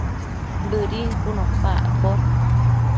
Bëdin cun opa accosh